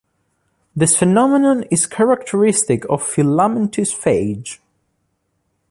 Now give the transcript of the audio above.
This phenomenon is characteristic of filamentous phage.